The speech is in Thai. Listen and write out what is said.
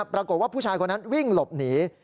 ปรากฏว่าผู้ชายคนนั้นวิ่งหลบหนี